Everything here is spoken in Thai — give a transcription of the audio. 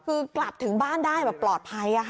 คือกลับถึงบ้านได้ปลอดภัยอ่ะฮะ